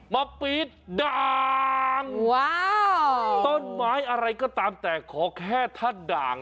มะปี๊ดดางต้นไม้อะไรก็ตามแต่ขอแค่ทัดดาง